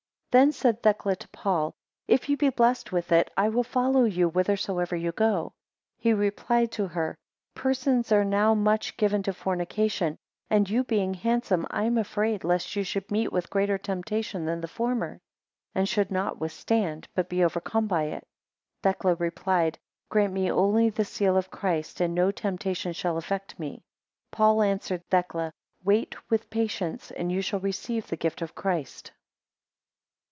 12 Then said Thecla to Paul, If you be pleased with it, I will follow you whithersoever you go. 13 He replied to her, Persons are now much given to fornication, and you being handsome, I am afraid lest you should meet with greater temptation than the former, and should Not withstand, but be overcome by it. 14 Thecla replied, Grant me only the seal of Christ, and no temptation shall affect me. 15 Paul answered, Thecla, wait with patience, and you shall receive the gift of Christ.